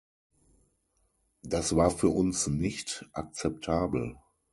Das war für uns nicht akzeptabel.